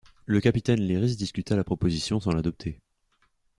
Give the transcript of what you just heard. Le capitaine Lyrisse discuta la proposition sans l'adopter.